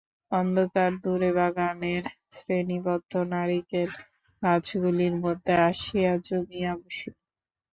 অন্ধকার দূরে বাগানের শ্রেণীবদ্ধ নারিকেল গাছগুলির মধ্যে আসিয়া জমিয়া বসিল।